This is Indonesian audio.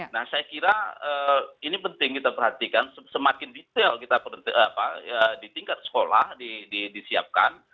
nah saya kira ini penting kita perhatikan semakin detail kita di tingkat sekolah disiapkan